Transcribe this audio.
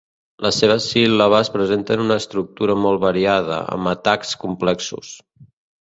Les seves síl·labes presenten una estructurada molt variada, amb atacs complexos.